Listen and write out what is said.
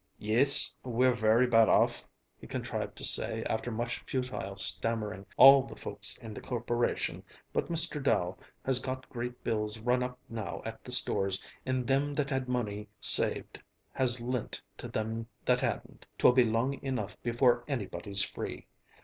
"Yis, we're very bad off," he contrived to say after much futile stammering. "All the folks in the Corporation, but Mr. Dow, has got great bills run up now at the stores, and thim that had money saved has lint to thim that hadn't 'twill be long enough before anybody's free.